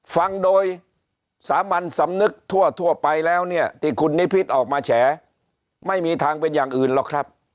ฟังโดยสามัญสำนึกทั่วไปแล้วเนี่ยที่คุณนิพิษออกมาแฉไม่มีทางเป็นอย่างอื่นหรอกครับ